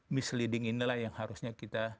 misleading inilah yang harusnya kita